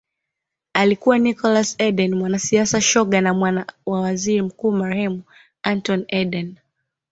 Alikuwa Nicholas Eden mwanasiasa shoga na mwana wa Waziri Mkuu marehemu Anthony Eden